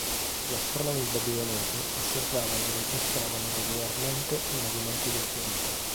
Gli astronomi babilonesi osservavano e registravano regolarmente i movimenti del pianeta.